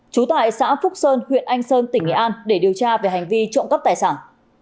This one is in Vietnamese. trú tại xã phúc sơn huyện anh sơn tỉnh nghệ an để điều tra về hành vi trộm cắp tài sản